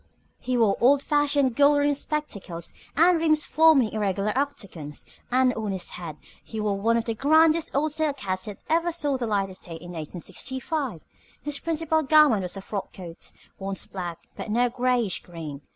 He wore old fashioned gold rimmed spectacles, the rims forming irregular octagons, and on his head he wore one of the grandest old silk hats that ever saw the light of day in 1865. His principal garment was a frock coat, once black, but now grayish green.